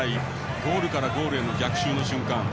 ゴールからゴールへの逆襲の瞬間。